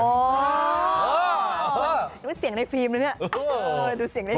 อ๋อดูเสียงในฟิล์มนะเนี่ยเออดูเสียงในฟิล์ม